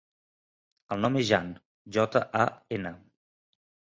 El nom és Jan: jota, a, ena.